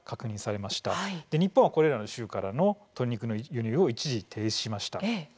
日本はこれらの州からの鶏肉の輸入を一時停止しました。